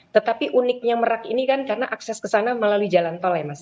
tetapi uniknya merak ini kan karena akses ke sana melalui jalan tol ya mas